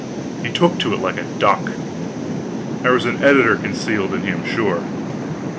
He took to it like a duck; there was an editor concealed in him, sure.